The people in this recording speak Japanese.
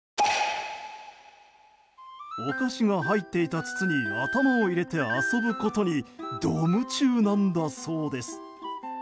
お菓子が入っていた筒に頭を入れて遊ぶことにど夢中なんだそうです。